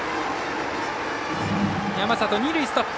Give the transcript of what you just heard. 山里、二塁ストップ。